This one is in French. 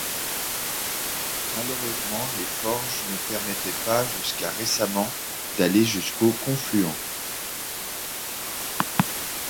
Malheureusement, les forges ne permettait pas jusqu'à récemment d'aller jusqu'au confluent.